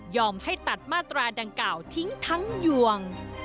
ให้ตัดมาตราดังกล่าวทิ้งทั้งยวง